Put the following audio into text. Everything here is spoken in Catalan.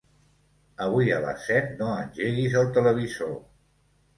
Avui a les set no engeguis el televisor.